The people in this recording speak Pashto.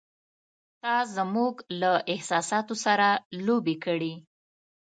“تا زموږ له احساساتو سره لوبې کړې!